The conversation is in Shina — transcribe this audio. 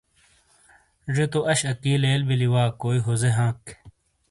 زے تو اَش اکی لیل بِیلی وا کوئی ھوزے ھانک۔